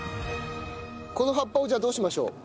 この葉っぱをじゃあどうしましょう？